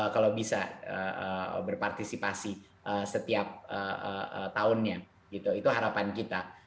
kalau bisa berpartisipasi setiap tahunnya gitu itu harapan kita